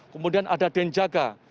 kemudian ada denjaga